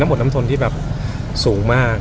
ภาษาสนิทยาลัยสุดท้าย